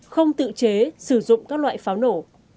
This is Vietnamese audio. không tự chế sử dụng các loại pháo nổ